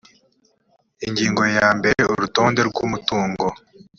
ingingo ya mbere urutonde rw’umutungo